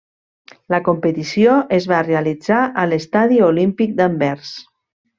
La competició es va realitzar a l'Estadi Olímpic d'Anvers.